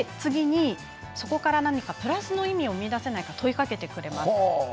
そこからプラスの意味を見いだせないか問いかけてくれます。